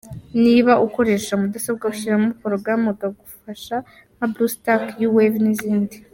Niba ukoresha mudasobwa ushyiramo porogaramu igufasha nka Bluestacks, YouWave n’izindi.